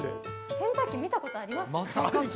洗濯機見たことありますか？